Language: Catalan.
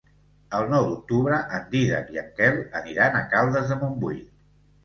El nou d'octubre en Dídac i en Quel aniran a Caldes de Montbui.